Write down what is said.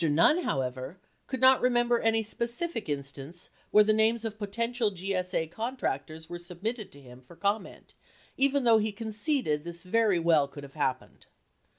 Nunn, however, could not remember any specific instance where the names of potential GSA contractors were submitted to him for com ment, even though he conceded this very well could have happened.